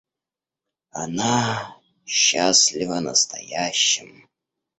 Она счастлива настоящим.